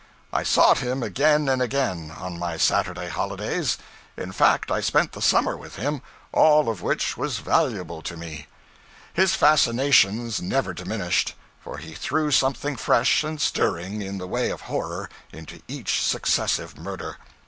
I sought him again and again, on my Saturday holidays; in fact I spent the summer with him all of it which was valuable to me. His fascinations never diminished, for he threw something fresh and stirring, in the way of horror, into each successive murder.